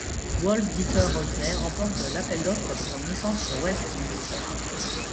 Wolf Dieter Holzhey remporte l'appel d'offres pour une licence sur Wels et son district.